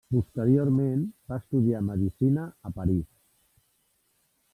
Posteriorment va estudiar Medicina a París.